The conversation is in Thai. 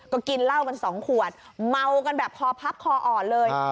ก็กินเหล้ากันสองขวดเมากันแบบคอพับคออ่อนเลย